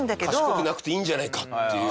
いとう：賢くなくていいんじゃないかっていう。